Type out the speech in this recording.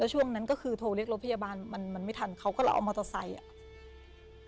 ช่วงนั้นก็คือโทรเรียกรถพยาบาลมันมันไม่ทันเขาก็เลยเอามอเตอร์ไซค์อ่ะ